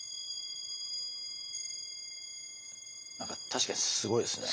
確かにすごいですね。